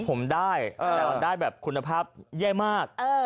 ผมได้ได้คุณภาพเย่มาก